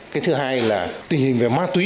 cái thứ hai là tình hình về ma túy